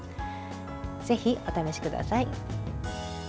ぜひ、お試しください。